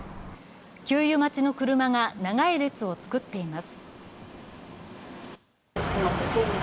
給油待ちの車が長い列を作っています。